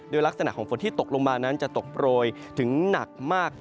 โดยลักษณะของฝนที่ตกลงมานั้นจะตกโปรยถึงหนักมาก